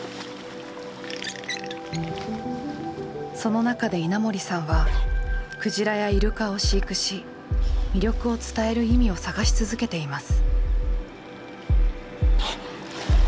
その中で稲森さんはクジラやイルカを飼育し魅力を伝える意味を探し続けています。